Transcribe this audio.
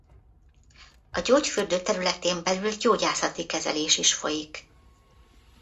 A gyógyfürdő területén belül gyógyászati kezelés is folyik.